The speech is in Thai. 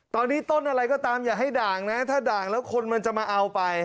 ตอนนี้ต้นอะไรก็ตามอย่าให้ด่างนะถ้าด่างแล้วคนมันจะมาเอาไป